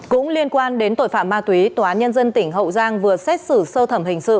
cũng liên quan đến tội phạm ma túy tòa án nhân dân tỉnh hậu giang vừa xét xử sơ thẩm hình sự